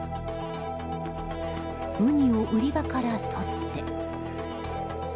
ウニを売り場からとって。